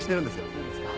そうですか。